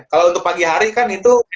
kalau untuk pagi hari kan itu